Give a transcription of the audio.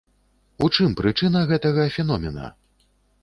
У чым прычына гэтага феномена?